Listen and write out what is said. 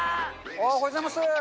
おはようございます。